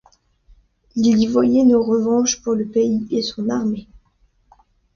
Il y voyait une revanche pour le pays et son armée.